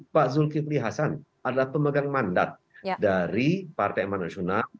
pak zulkifili hasan adalah pemegang mandat dari partai emanasional